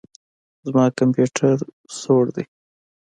زما کمپيوټر زوړ دئ.